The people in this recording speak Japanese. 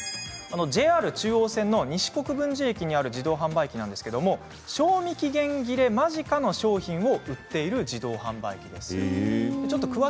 ＪＲ中央線の西国分寺駅にある自動販売機なんですが賞味期限切れ間近の商品を売っている自動販売機です。